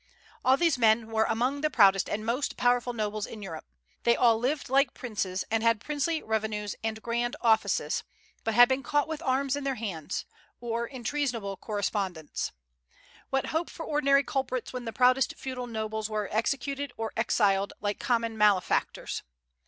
All these men were among the proudest and most powerful nobles in Europe; they all lived like princes, and had princely revenues and grand offices, but had been caught with arms in their hands, or in treasonable correspondence. What hope for ordinary culprits when the proudest feudal nobles were executed or exiled, like common malefactors?